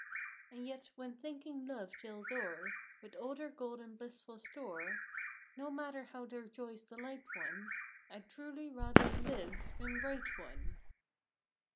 And yet when thinking love tales o er, With all their golden, blissful store, No matter how their joys delight one, I d truly rather LIVE than WHITE one.